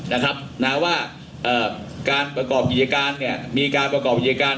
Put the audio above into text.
นะครับนะฮะเอ่อการประกอบพิจารณ์เนี้ยมีการประกอบพิจารณ์